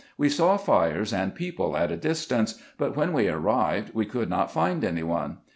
We saw fires and people at a distance; but when we arrived we could not find any one.